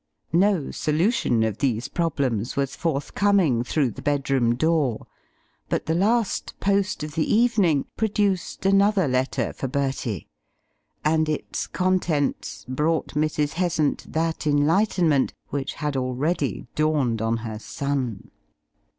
No solution of these problems was forthcoming through the bedroom door, but the last post of the evening produced another letter for Bertie, and its contents brought Mrs. Heasant that enlightenment which had already dawned on her son.